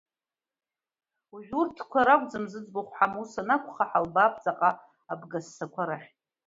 Уажәы урҭ ракәӡам зыӡбахә ҳамоу, ус анакәха, ҳалбаап ҵаҟа абгассақәа рахь.